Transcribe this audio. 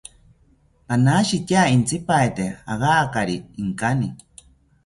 Panashitya intzipaete agaikari inkani